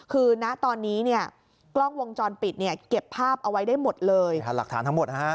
คือณตอนนี้เนี่ยกล้องวงจรปิดเนี่ยเก็บภาพเอาไว้ได้หมดเลยผ่านหลักฐานทั้งหมดนะฮะ